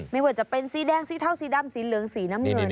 ไม่ว่าจะเป็นสีแดงสีเทาสีดำสีเหลืองสีน้ำเงิน